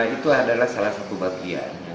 itu adalah salah satu bagian